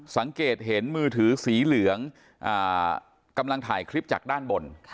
สังเกตเห็นมือถือสีเหลืองกำลังถ่ายคลิปจากด้านบน